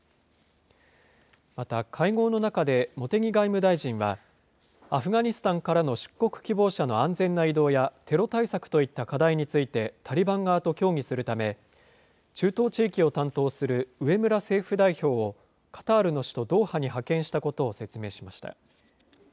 また、会合の中で茂木外務大臣は、アフガニスタンからの出国希望者の安全な移動やテロ対策といった課題についてタリバン側と協議するため、中東地域を担当する上村政府代表を、カタールの首都ドーハに派遣したことを説明しました。